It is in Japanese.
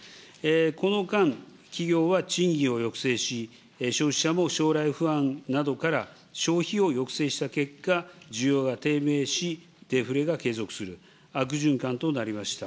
この間、企業は賃金を抑制し、消費者も将来不安などから消費を抑制した結果、需要が低迷し、デフレが継続する、悪循環となりました。